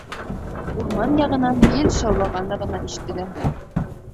Урман яғынан ел шаулағаны ғына ишетелә.